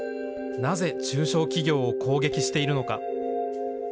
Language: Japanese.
なぜ中小企業を攻撃しているのか。